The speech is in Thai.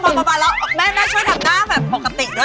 ต้องทำความประมาณแล้วแม่ช่วยทำหน้าแบบปกติด้วย